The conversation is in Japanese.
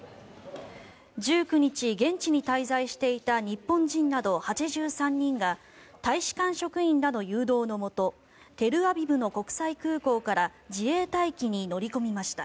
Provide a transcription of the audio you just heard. １９日、現地に滞在していた日本人など８３人が大使館職員らの誘導のもとテルアビブの国際空港から自衛隊機に乗り込みました。